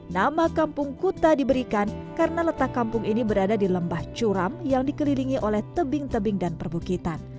nama kampung kuta diberikan karena letak kampung ini berada di lembah curam yang dikelilingi oleh tebing tebing dan perbukitan